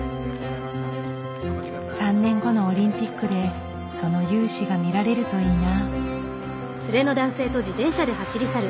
３年後のオリンピックでその雄姿が見られるといいな。